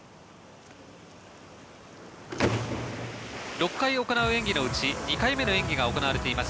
６回行う演技のうち２回目の演技が行われています。